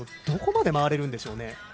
どこまで回れるんでしょうね。